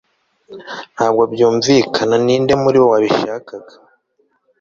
Ntabwo byumvikana ninde muri bo wabishakaga